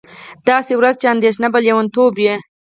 داسې ورځ چې اندېښنه به لېونتوب وي